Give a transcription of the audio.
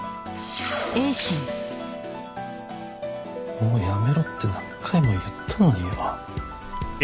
「もうやめろって何回も言ったのによ」